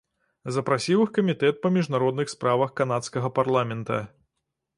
Запрасіў іх камітэт па міжнародных справах канадскага парламента.